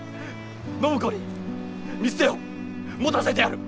暢子に店を持たせてやる！